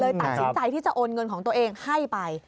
ตัดสินใจที่จะโอนเงินของตัวเองให้ไป